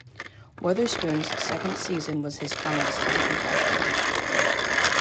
Weatherspoon's second season was his finest as a professional.